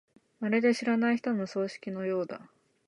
まるで知らない人の葬式のようだ。